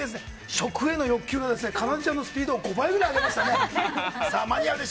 食への欲求がかなでちゃんのスピード５倍くらい上げました。